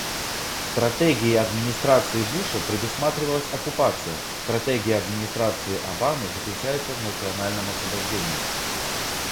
Стратегией администрации Буша предусматривалась оккупация; стратегия администрации Обамы заключается в национальном освобождении.